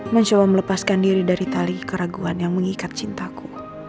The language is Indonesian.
mencoba melepaskan diri dari tali keraguan yang mengikat cintaku